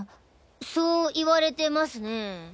そう言われてますねぇ。